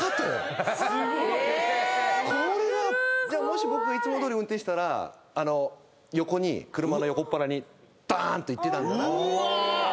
もし僕がいつもどおり運転してたら横に車の横っ腹にダーンといってたんだなうわ！